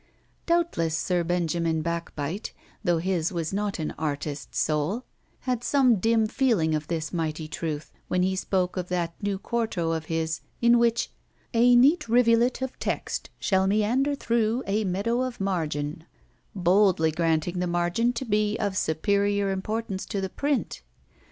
Doubtless Sir Benjamin Backbite, though his was not an artist soul, had some dim feeling of this mighty truth when he spoke of that new quarto of his, in which "a neat rivulet of text shall meander through a meadow of margin": boldly granting the margin to be of superior importance to the print.